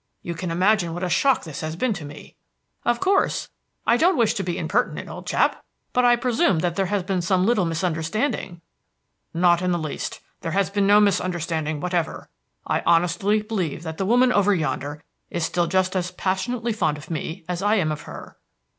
You can imagine what a shock this has been to me." "Of course. I don't wish to be impertinent, old chap, but I presume that there has been some little misunderstanding " "Not in the least. There has been no misunderstanding whatever. I honestly believe that the woman over yonder is still just as passionately fond of me as I am of her.